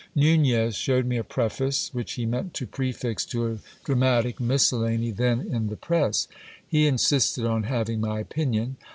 Nunez shewed me a preface which he meant to prefix to a dramatic miscel lany then in the press. He insisted on having my opinion.